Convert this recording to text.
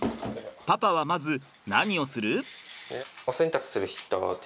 パパはまず何をする？